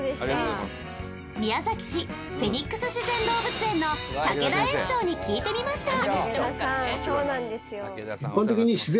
フェニックス自然動物園の竹田園長に聞いてみました